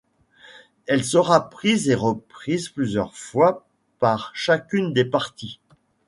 Elle sera prise et reprise plusieurs fois par chacune des parties.